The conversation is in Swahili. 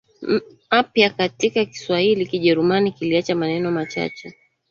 mapya katika Kiswahili Kijerumani kiliacha maneno machache